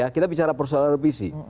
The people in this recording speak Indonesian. kita bicara persoalan revisi